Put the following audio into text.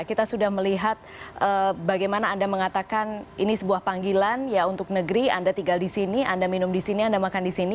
kita sudah melihat bagaimana anda mengatakan ini sebuah panggilan ya untuk negeri anda tinggal di sini anda minum di sini anda makan di sini